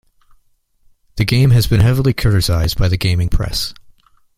The game has been heavily criticized by the gaming press.